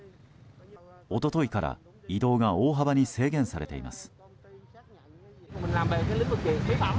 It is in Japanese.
一昨日から移動が大幅に制限されています。